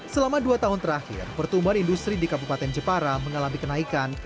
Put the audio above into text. selama dua tahun terakhir pertumbuhan industri di kabupaten jepara mengalami kenaikan